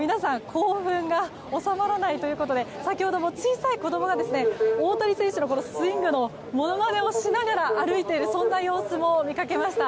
興奮が収まらないということで先ほども小さい子供が大谷選手のスイングのものまねをしながら歩いている様子も見かけました。